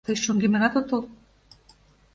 Тый шоҥгемынат отыл?